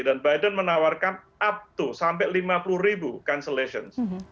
dan biden menawarkan up to sampai lima puluh ribu cancellation